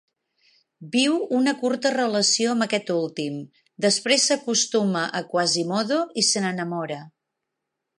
Viu una curta relació amb aquest últim, després s'acostuma a Quasimodo i se n'enamora.